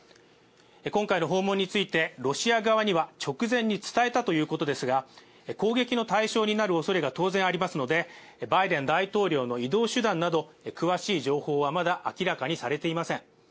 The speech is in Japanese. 今回の訪問について、ロシア側には直前に伝えたということですが、攻撃の対象になる恐れが当然ありますのでバイデン大統領の移動手段など詳しい情報はまだ明らかにされていません。